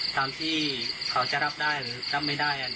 ตามที่เขาจะรับได้หรือรับไม่ได้